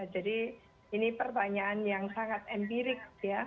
jadi ini pertanyaan yang sangat empirik ya